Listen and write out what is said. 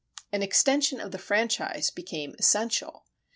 An extension of the franchise became essential.